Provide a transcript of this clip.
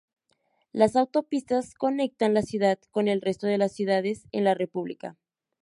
Las autopistas conectan la ciudad con el resto de las ciudades en la república.